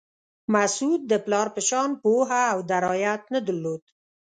مسعود د پلار په شان پوهه او درایت نه درلود.